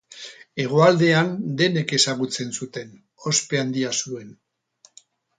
Hegoaldean denek ezagutzen zuten, ospe handia zuen.